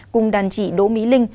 cùng đàn chỉ đỗ mỹ linh